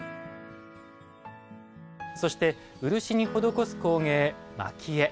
そして漆に施す工芸蒔絵。